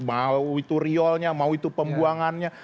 mau itu riolnya mau itu pembuangannya